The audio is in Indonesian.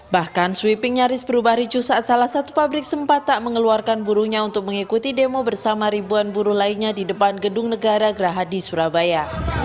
bahkan sweeping nyaris berubah ricu saat salah satu pabrik sempat tak mengeluarkan buruhnya untuk mengikuti demo bersama ribuan buruh lainnya di depan gedung negara gerahadi surabaya